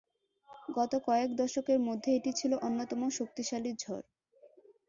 গত কয়েক দশকের মধ্যে এটি ছিল অন্যতম শক্তিশালী ঝড়।